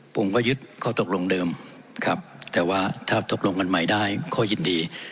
ผมก็ยึดข้อตกลงเดิมครับแต่ว่าถ้าตกลงกันใหม่ได้ข้อยินดี